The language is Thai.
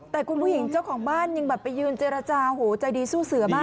แต่คุณผู้หญิงเจ้าของบ้านยังแบบไปยืนเจรจาโหใจดีสู้เสือมาก